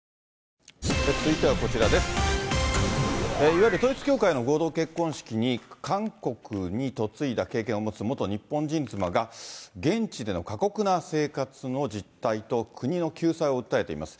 いわゆる統一教会の合同結婚式に、韓国に嫁いだ経験を持つ元日本人妻が、現地での過酷な生活の実態と国の救済を訴えています。